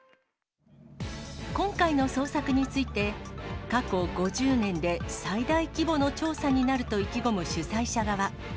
今回の捜索について、過去５０年で最大規模の調査になると意気込む主催者側。